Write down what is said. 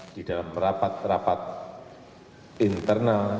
di dalam rapat rapat internal